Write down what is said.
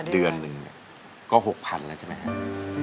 เดือนหนึ่งก็๖๐๐๐แล้วใช่ไหมครับ